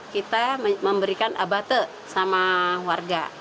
kita memberikan abate sama warga